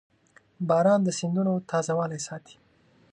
• باران د سیندونو تازهوالی ساتي.